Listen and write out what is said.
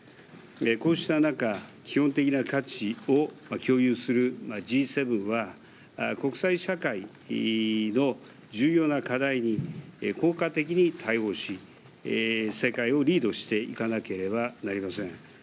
こうした中、基本的な価値を共有するＧ７は国際社会の重要な課題に効果的に対応し世界をリードしていかなければなりません。